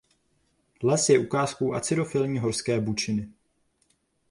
Les je ukázkou acidofilní horské bučiny.